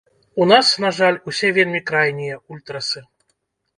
У нас, на жаль, усе вельмі крайнія, ультрасы.